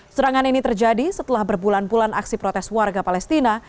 serangan ini terjadi setelah berbulan bulan aksi protes warga palestina